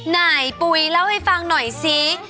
นายปุ๋ยเล่าให้ฟังหน่อยซิ